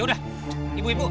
yaudah ibu ibu